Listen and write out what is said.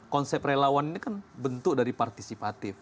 konsep relawan ini kan bentuk dari partisipatif